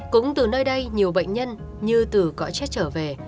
cũng từ nơi đây nhiều bệnh nhân như tử có chết trở về